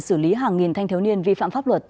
xử lý hàng nghìn thanh thiếu niên vi phạm pháp luật